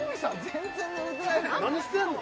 何してんの？